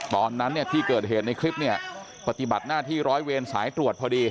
ตอนนั้นเนี่ยที่เกิดเหตุในคลิปเนี่ยปฏิบัติหน้าที่ร้อยเวรสายตรวจพอดี